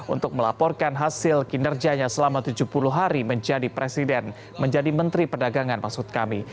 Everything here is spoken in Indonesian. untuk melaporkan hasil kinerjanya selama tujuh puluh hari menjadi presiden menjadi menteri perdagangan maksud kami